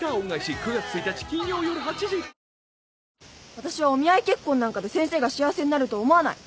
私はお見合い結婚なんかで先生が幸せになると思わない。